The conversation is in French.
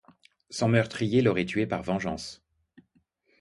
Son meurtrier l'aurait tué par vengeance.